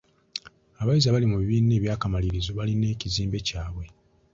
Abayizi abali mu bibiina eby'akamalirizo balina ekizimbe kyabwe.